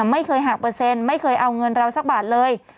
ไม่เคยหักเปอร์เซ็นต์ไม่เคยเอาเงินเราสักบาทเลย